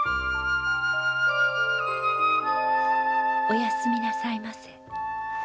おやすみなさいませ。